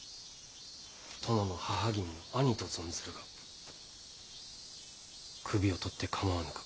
殿の母君の兄と存ずるが首をとって構わぬか。